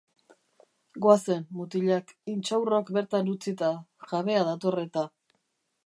Goazen, mutilak, intxaurrok bertan utzita, jabea dator eta.